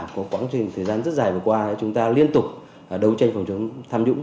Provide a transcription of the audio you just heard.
có khoảng thời gian rất dài vừa qua chúng ta liên tục đấu tranh phòng chống tham nhũng